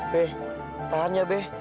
be tahan ya be